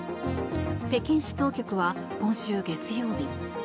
北京市当局は今週月曜日